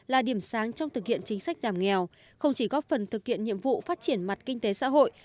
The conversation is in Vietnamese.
là điểm sáng trong thực hiện chính sách giảm nghèo không chỉ góp phần thực hiện nhiệm vụ phát triển mặt kinh tế xã hội